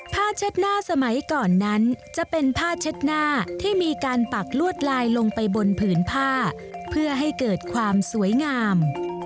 เช็ดหน้าสมัยก่อนนั้นจะเป็นผ้าเช็ดหน้าที่มีการปักลวดลายลงไปบนผืนผ้าเพื่อให้เกิดความสวยงาม